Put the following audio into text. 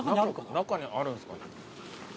中にあるんすかね。